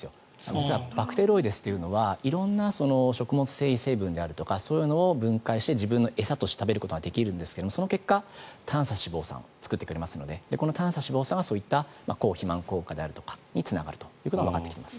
実はバクテロイデスは色んな食物繊維成分であるとかそういうのを分解して自分の餌として食べることができるんですがその結果、短鎖脂肪酸を作ってくれますのでこの短鎖脂肪酸はそういった抗肥満効果であるとかにつながっていくことがわかっています。